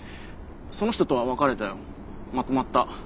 その人とは別れたよまとまった。